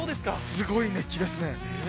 すごい熱気ですね。